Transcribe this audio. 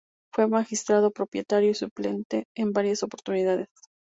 Fue Magistrado propietario y suplente en varias oportunidades.